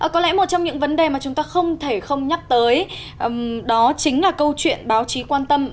có lẽ một trong những vấn đề mà chúng ta không thể không nhắc tới đó chính là câu chuyện báo chí quan tâm